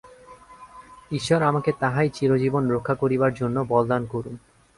ঈশ্বর আমাকে তাহাই চিরজীবন রক্ষা করিবার জন্য বলদান করুন।